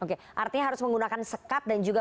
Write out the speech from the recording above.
oke artinya harus menggunakan sekat dan juga